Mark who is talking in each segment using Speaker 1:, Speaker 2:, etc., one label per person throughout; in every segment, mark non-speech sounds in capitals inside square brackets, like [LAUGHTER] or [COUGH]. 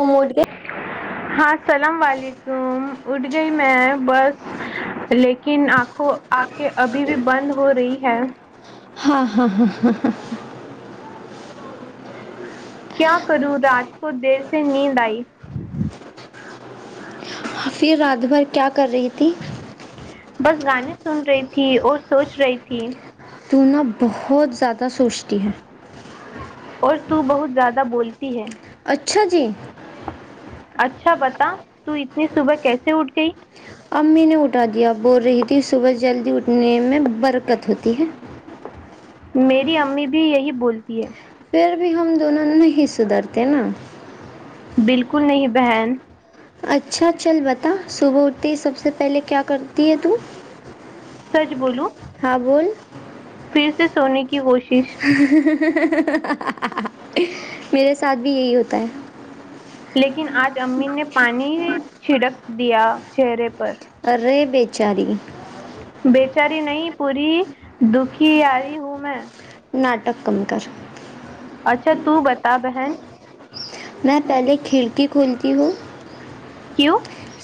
Speaker 1: mood کے
Speaker 2: ہاں اللام و علیکم اٹھ گئی میں بس لیکن آنکھوں آنکھیں ابھی بھی بند ہو رہی ہے
Speaker 1: ہاں ہاں ہاں ہاں
Speaker 2: کیا کروں رات کو دیر سے نیند آئی
Speaker 1: حفیظ رات بھر کیا کر رہی تھی
Speaker 2: بس گانے سن رہی تھی اور سوچ رہی تھی
Speaker 1: تونا بہت زیادہ سوچتی ہے
Speaker 2: اور تو بہت زیادہ بولتی ہے
Speaker 1: اچھا جی
Speaker 2: اچھا بتا تو اتنی صبح کیسے اٹھ گئی
Speaker 1: امی نے اٹھا دیا بول رہی تھی صبح جلدی اٹھنے میں برکت ہوتی ہے
Speaker 2: میری امی بھی یہی بولتی ہے
Speaker 1: پھر بھی ہم دونوں نہیں سدھرتے نا
Speaker 2: بالکل نہیں بہن
Speaker 1: اچھا چل بتا صبح اٹتی ہے سب سے پہلے کیا کرتی ہے تو
Speaker 2: سچ بولو
Speaker 1: ہے بلو
Speaker 2: پھر سے سونے کی کی کوشش
Speaker 1: میرے ساتھ بھی یہی ہوتا ہے
Speaker 2: لیکن آج امیین نے پانی چھڑک دیا چہرے پر
Speaker 1: چار [UNINTELLIGIBLE]
Speaker 2: بچاری نہیں پوری دکھی آاری ہوں میں
Speaker 1: ناٹک کم کر
Speaker 2: اچھا تو بتا بہن
Speaker 1: میں پہلے کھاتی ہوں
Speaker 2: کیوں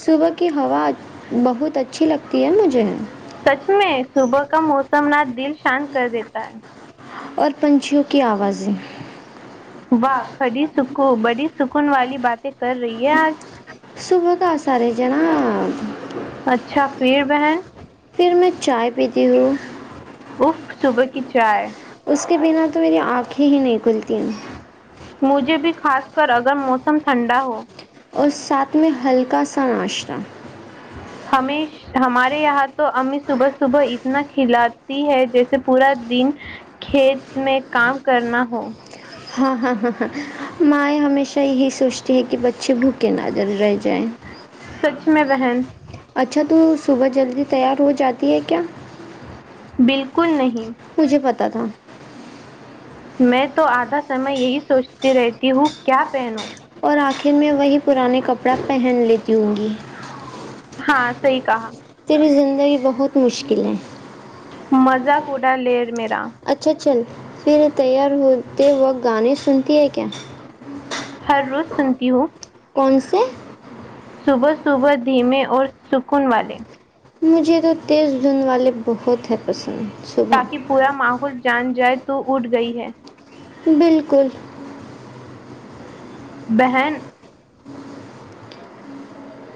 Speaker 1: صبح کی ہوا بہت اچھی لگتی ہے مجھے
Speaker 2: سچ میں صبح کا موسم نہ دل شانت کر دیتا ہے
Speaker 1: اور پنچھیوں کی آوازیں
Speaker 2: واہ کھڑی سکو بڑی سکون والی باتیں کر رہی یاار [UNINTELLIGIBLE]
Speaker 1: صب کا سارے جناا
Speaker 2: اچھا بھیڑ بہن [UNINTELLIGIBLE]
Speaker 1: پھر میں چائے پیتی ہوں
Speaker 2: اف صبح کی چائے
Speaker 1: اس کے بنا تو میری آنکھیں ہی نہیں کھلتی ہیں
Speaker 2: مجھے بھی خاص کر اگر موسم ٹھنڈا ہو
Speaker 1: اور ساتھ میں ہلکا سا ناشتہ
Speaker 2: ہمیں ہمارے یہاں تو امی صبح صبح اتنا کھلاتی ہے جیسے پورا دن کھیت میں کام کرنا ہو
Speaker 1: ہاں ہاں ہاں ہاں ماں ہمیشہ یہی سوچتی ہے کہ اچ بھوک کے نظر رہ جائ
Speaker 2: سچ میں بہن
Speaker 1: اچھا تو صبح جلدی تیار ہو جاتی ہے کیا
Speaker 2: بالکل نہیں
Speaker 1: تا تھا
Speaker 2: میں تو آدھا سمے یہی سوچتی رہتی ہوں کیا پینو [UNINTELLIGIBLE]
Speaker 1: اور آخر میں وہی پرانے کپڑا پہن لیتی ہوں گی
Speaker 2: ہاں صحیح کہا
Speaker 1: ترس دن زندگی بہت مشکل ہے
Speaker 2: مزہ کوا لےیر میرا
Speaker 1: اچھا چل پھر تیار ہوتے وقت گانے سنتی ہے کیا
Speaker 2: ہر روز سنتی ہو
Speaker 1: کون سے
Speaker 2: صبح صبح دھیمے اور سکون والے
Speaker 1: مجھے تو تیز دھند والے بہت ہیں پسند صبح
Speaker 2: تاکہ پورا ماحول جان جائے تو اٹ گئی ہے
Speaker 1: بالکل
Speaker 2: بہن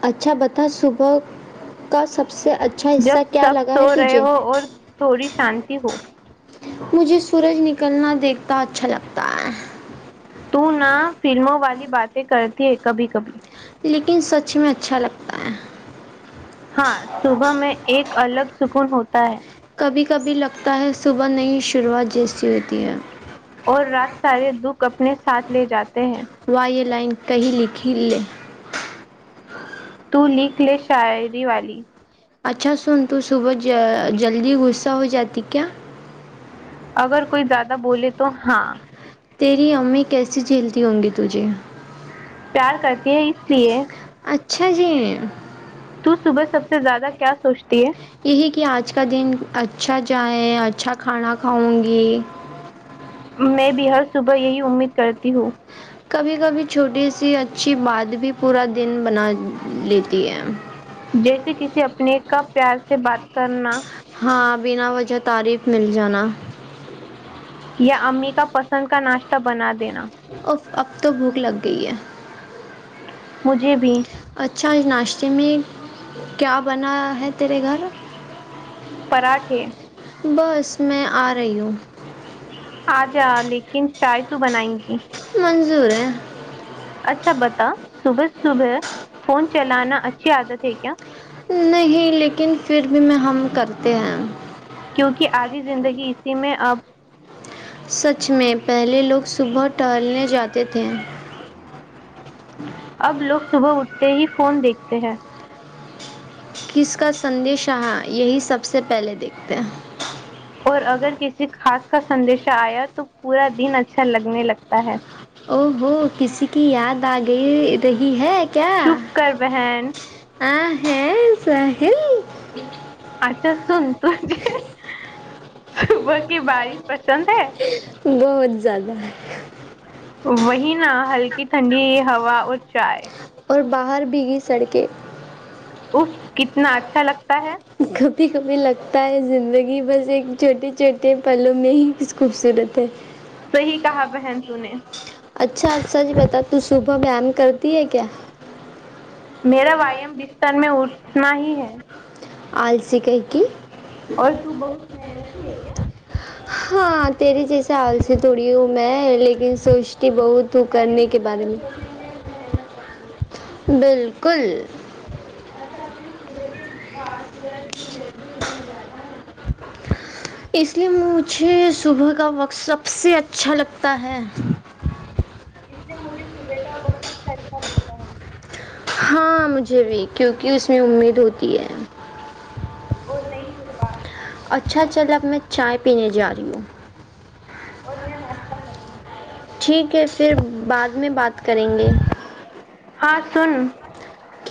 Speaker 1: اچھا بتا صبح کا سب سے اچھا حصہ
Speaker 2: جب
Speaker 1: کیا
Speaker 2: سب
Speaker 1: لگا
Speaker 2: سو
Speaker 1: ہے
Speaker 2: رہے
Speaker 1: تجھے
Speaker 2: ہو اور تھوڑی شانتی ہو
Speaker 1: مجھے سورج نکلنا دیکھتا اچھا لگتا ہے
Speaker 2: تو نہ فلموں والی باتیں کرتی ہے کبھی کبھی
Speaker 1: لیکن سچ میں اچھا لگتا ہے
Speaker 2: ہاں صبح میں ایک الگ سکون ہوتا ہے
Speaker 1: کبھی کبھی لگتا ہے صبح نہیں شروعات جیسی ہوتی ہے
Speaker 2: اور رات سارے دکھ اپنے ساتھ لے جاتے ہیں
Speaker 1: و یہ لائن کہیں لکھی لے
Speaker 2: ت لکھ لے شاعری والی
Speaker 1: اچھا سن تو صبح جلدی غصہ ہو جاتی کیا
Speaker 2: اگر کوئی زیادہ بولے تو ہاں
Speaker 1: تیری امی کیسی جھیلتی ہوں گی تجھے
Speaker 2: پیار کرتی ہے اس لیے
Speaker 1: اچ چھا جی
Speaker 2: تو صبح سب سے زیادہ کیا سوچتی ہے
Speaker 1: یہی کہ آج کا دن اچھا جائے اچھا کھانا کھاؤں گی
Speaker 2: میں بھی ہر صبح یہی امید کرتی ہوں
Speaker 1: کبھی کبھی چھوٹی سی اچھی بات بھی پورا دن بنا لیتی ہے
Speaker 2: جیسے کسی اپنے کا پیار سے بات کرنا
Speaker 1: ہاں بنا وجہ تعریف مل جانا
Speaker 2: یا امی کا پسند کا ناشتہ بنا دینا
Speaker 1: اف اب تو بھوک لگ گئی ہے
Speaker 2: مجھے بھی
Speaker 1: اچھا ناشتے میں کیا بنا ہے تیرے گھر
Speaker 2: پراٹھے
Speaker 1: بس میں آ رہی ہوں
Speaker 2: آ جا لیکن چائے تو بنائیں گی
Speaker 1: مضور ہے
Speaker 2: اچھا بتا صبح صبح فون چلانا اچھی عادت ہے کیا
Speaker 1: نہیں لیکن پھر بھی میں ہم کرتے ہیں
Speaker 2: کیونکہ آدھی زندگی اسی میں اب
Speaker 1: سچ میں پہلے لوگ صبح ٹہلنے جاتے تھے
Speaker 2: اب لوگ صبح اٹھتے ہی فون دیکھتے ہیں
Speaker 1: کس کا سندیش ہا یہی سب سے پہلے دیکھتے ہیں
Speaker 2: اور اگر کسی خاص کا سدیشہ آیا تو پورا دن اچھا لگنے لگتا ہے
Speaker 1: او ہو کسی کی یاد آ گئی رہی ہے
Speaker 2: چھپ کر بہن
Speaker 1: ہ ہے ساحل
Speaker 2: اچھا سن تجھے صبح کی بارش پسند ہے
Speaker 1: بہت زیادہ ہے
Speaker 2: وہی نا ہلکی ٹھنڈی ہوا اور چائے
Speaker 1: اور باہر بھی گی سڑکیں
Speaker 2: اف کتنا اچھا لگتا ہے
Speaker 1: کبھی کبھی لگتا ہے زندگی بس ایک چھوٹے چھوٹے پلوں میں ہی ک خوبصورت
Speaker 2: صحیح کہا بہن تو نے
Speaker 1: اچھا اچھا جی بتا تو صبح وم کر تی ہے کیا
Speaker 2: میرا ویام بستر میں اٹنا ہی ہے
Speaker 1: آلسی کائی کی
Speaker 2: اور تو بہت محنتی ہے کیا
Speaker 1: ہاں تیرے جیسے السی تھوڑی ہوں میں لیکن سوچتی بہت تو کرنے کے بارے میں بالکل اس لیے مجھے صبح کا وقت سب سے اچھا لگتا ہے
Speaker 2: نے مجھے صبح کا وہ سب سے اچھا لگتا ہے
Speaker 1: ہاں مجھے بھی کیونکہ اس میں امید ہوتی ہے
Speaker 2: اور نئی شو
Speaker 1: اچھا چل اب میں چائے پینے جا رہی ہوں ٹھیک ہے پھر بعد میں بات کریں گے
Speaker 2: ہاں سن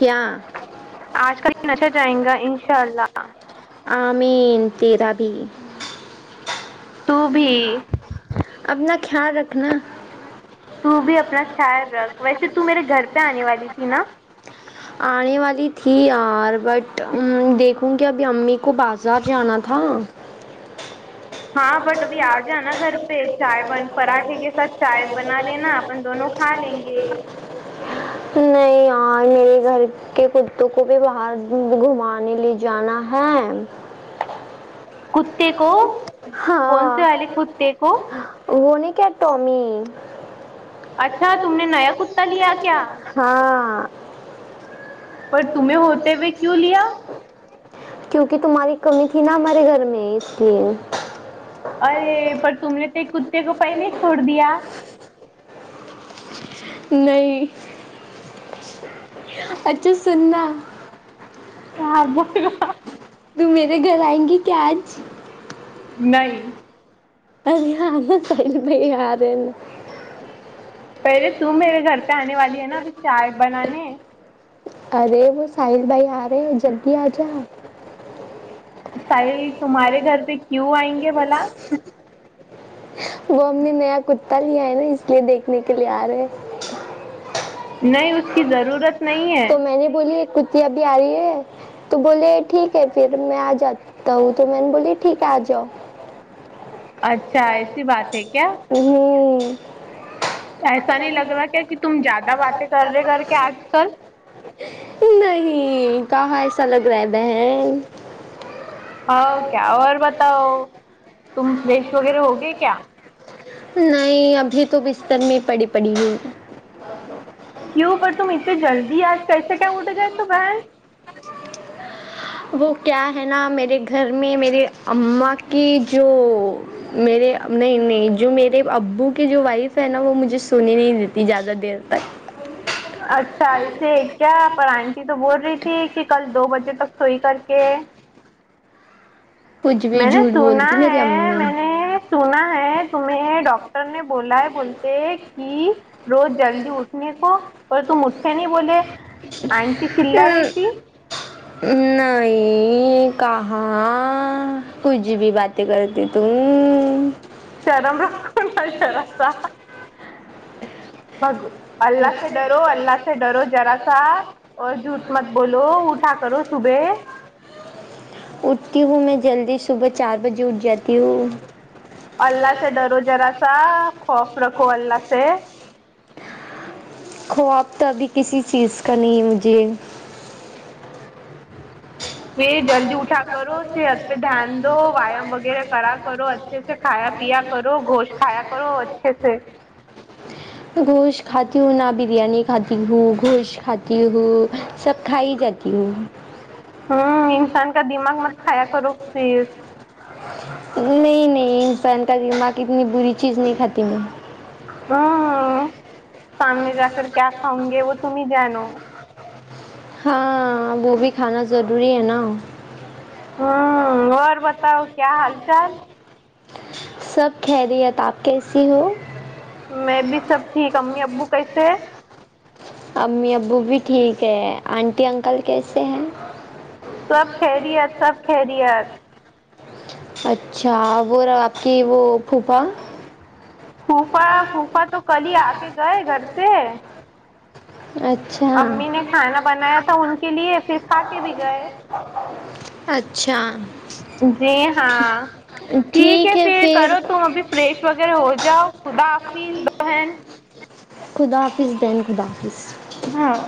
Speaker 1: کیا
Speaker 2: آج کا دن اچھا جائیں گا انشاء اللہ
Speaker 1: مین تیرا بھی
Speaker 2: توو بھی
Speaker 1: اپنا خیال رکھنا
Speaker 2: تو بھی اپنا خیال رکھ ویسے تو میرے گھر پہ آنے والی تھی نا
Speaker 1: آنے والی تھی اورار بٹ دیکھوں گی ابھی امی کو بازار جانا تھا
Speaker 2: ہاں بٹ ابھی آ جانانا گھر پہ چائے بن پراٹھے کے ساتھ چائے بنا لینا اپن دونوں کھا لیں گے
Speaker 1: نہیں یار میرے گھر کے کتوں کو بھی وہاں گھمانے لے جانا ہے
Speaker 2: کتے کو کون سے والے
Speaker 1: ہاں
Speaker 2: کتے کو
Speaker 1: وہ نہیں ٹومی
Speaker 2: اچھا تم نے نیا کتا لیا کیا
Speaker 1: [INAUDIBLE] [INAUDIBLE]
Speaker 2: پر تمہیں ہوتے ہوئے کیوں لیا
Speaker 1: کیونکہ تمہاری کمی تھی نا ہمارے گھر میں اس لیے
Speaker 2: ارے پ تم نے تو کتے گ پہلے چھوڑ دیا
Speaker 1: پیا نہیں کیا اچھا سنا
Speaker 2: [UNINTELLIGIBLE]
Speaker 1: تو میرے گھر آئیں گی کیا آج
Speaker 2: نہیں
Speaker 1: ارے ہاں نہیں آ رہے
Speaker 2: پہلے ت میرے گھر پہ آنے والی ہے نا ابھی چائے بنانے
Speaker 1: ارے وہ سائ بھائی آ رہے ہیں جلدی آ جاؤ آپ
Speaker 2: سحل تمہارے گھر پہ کیوں آئیں گے بھلا
Speaker 1: وہ ا ہم نے نیا ک پ ہی آئے نا اس لیے دیکھنے کے لیے آ رہے
Speaker 2: نہیں اس کی ضرورت نہیں ہے
Speaker 1: تو میں نے بولی ایک کتی اب آ رہی ہے تو بولے ٹھیک ہے پھر میں آ جاتا ہوں تو میں نے بولی ٹھیک ہے آ جاؤ
Speaker 2: اچھا ایسی بات ہے کیا
Speaker 1: ہوں [INAUDIBLE]
Speaker 2: ایسا نہیں لگ رہا کیا کہ تم زیادہ باتیں کر رہے کر کے آج کل
Speaker 1: نہیں کہاں ایسا لگ رہا ہے بہن
Speaker 2: ہ کیا اور بتاؤ تم فریش وغیرہ ہو گی کیا
Speaker 1: نہیں ابھی تو بستر میں پڑی پڑی ہو
Speaker 2: کیوں پر تم اتنی جلدی آج کیسے کیا اٹھ جئے تو بہن
Speaker 1: وہ کیا ہے نا میرے گھر میں میرے اما کی جو میرے نہیں نہیں جو میرے ابو کی جو وائف ہے نا وہ مجھے سنی نہیں دیتی زیادہ دیر تک
Speaker 2: اچھا اسے کیا پر آنٹی تو بول رہی تھی کہ کل دو بجے تک سوئی کر کے کہ
Speaker 1: کچھ بھی
Speaker 2: میں نے
Speaker 1: جھوٹ
Speaker 2: سنا
Speaker 1: بولتی میری
Speaker 2: ہے
Speaker 1: امی
Speaker 2: میں نے سنا ہے تمہیں ڈاکٹر نے بولا ہے بولتے کہ روز جلدی اٹھنے کو پر تو م نی بولے آنٹی چلہ رہیتی
Speaker 1: نہیں کہاں کچھ بھی باتیں کرتی توں
Speaker 2: شرم میں رکھن شر تھا بگو ذرا سا اور جھوٹ مت بولو اٹھا کرو صبح
Speaker 1: اٹھتی ہوں میں جلدی صبح چار بجے اٹھ جاتی ہوں
Speaker 2: اللہ سے ڈرو جرا سا خوف رکھ کو اللہ سے
Speaker 1: خواب تو ابھی کسی چیز کا نہیں ہے مجھے
Speaker 2: پ جلدی اٹھا کرو صحت پہ دھیان دو ویام وغیرہ کرا کرو اچھے سے کھایا پیا کرو گشت کھایا کرو اچھے سے
Speaker 1: گوش کھاتیوں نہ بریانی کاتی ہو گوش خات ہوں سب کھائی جاتی ہوں
Speaker 2: ہ انسان کا دماغ مت کھایا کرو صف
Speaker 1: نہیں نہیں انسان کا دماغ اتنی بری چیز نہیں کھاتی میں
Speaker 2: ہوں سامنے جا کر کیا کاؤں گے وہ تم جانو
Speaker 1: ہاں وہ بھی کھانا ضروری ہے نا
Speaker 2: ہوں اور ب بتاؤ کیا حال چال
Speaker 1: سب خیریت آپ کیسی ہو
Speaker 2: میں بھی سب ٹھیک امی ابو کیسے
Speaker 1: امی ابو بھی ٹھیک ہے آنٹی انکل کیسے ہیں
Speaker 2: سب خیریت سب خیریت
Speaker 1: اچھا وہ آپ کی وہ پھوپھا
Speaker 2: پوفا پوفا تو کل ہی آ کے گئے گھر سے
Speaker 1: اچھا
Speaker 2: امی نے کھانا بنایا تھا ان کے لیے پھر کھا کے بھی گئے
Speaker 1: اچھا
Speaker 2: جی ہاں ٹھیک ہے پھر کرو تم ابھی فریش وغیرہ ہو جاؤ خدا حافظ بہن
Speaker 1: خدا حافظ بین خدا [UNINTELLIGIBLE]
Speaker 2: ہاں